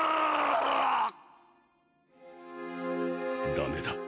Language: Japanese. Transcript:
ダメだ。